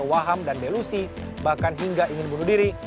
waham dan delusi bahkan hingga ingin bunuh diri